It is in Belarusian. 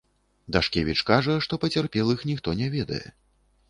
Дашкевіч кажа, што пацярпелых ніхто не ведае.